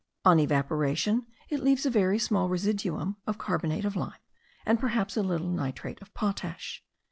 On evaporation it leaves a very small residuum of carbonate of lime, and perhaps a little nitrate of potash.